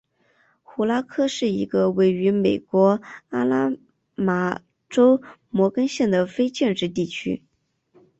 胡拉科是一个位于美国阿拉巴马州摩根县的非建制地区。